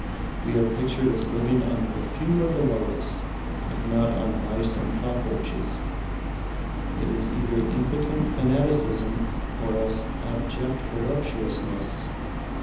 We are pictured as living on the perfume of the lotus, if not on mice and cockroaches. It is either impotent fanaticism or else abject voluptuousness.